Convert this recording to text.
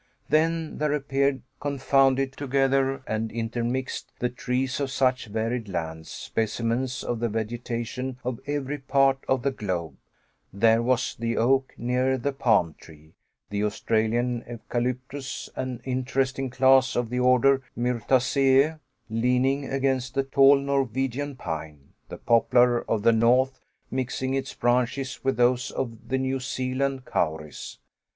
Then there appeared confounded together and intermixed, the trees of such varied lands, specimens of the vegetation of every part of the globe; there was the oak near the palm tree, the Australian eucalyptus, an interesting class of the order Myrtaceae leaning against the tall Norwegian pine, the poplar of the north, mixing its branches with those of the New Zealand kauris.